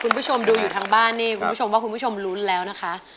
คุณผู้ชมดูอยู่ทางบ้านนี่คุณผู้ชมว่าคุณผู้ชมลุ้นแล้วนะคะ